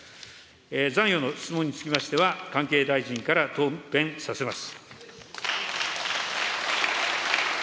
残余の質問につきましては、関係大臣から答弁させます。